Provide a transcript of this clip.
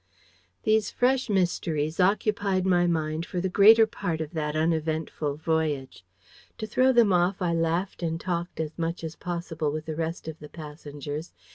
These fresh mysteries occupied my mind for the greater part of that uneventful voyage. To throw them off, I laughed and talked as much as possible with the rest of the passengers.